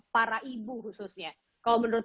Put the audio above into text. para ibu khususnya kalau menurut